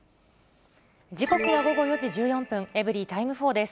時刻は午後４時１４分、エブリィタイム４です。